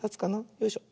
よいしょ。